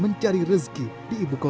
mencari rezeki di ibu kota